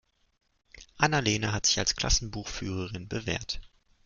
Anna-Lena hat sich als Klassenbuchführerin bewährt.